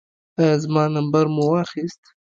ایا زما نمبر مو واخیست؟